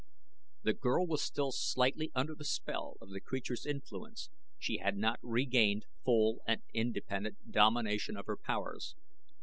The girl was still slightly under the spell of the creature's influence she had not regained full and independent domination of her powers.